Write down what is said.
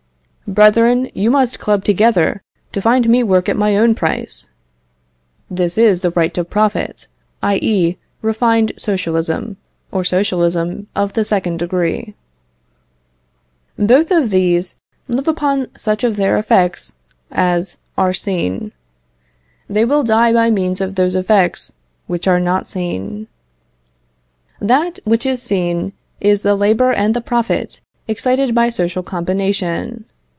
"Brethren, you must club together to find me work at my own price." This is the right to profit; i.e., refined socialism, or socialism of the second degree. Both of these live upon such of their effects as are seen. They will die by means of those effects which are not seen. That which is seen is the labour and the profit excited by social combination.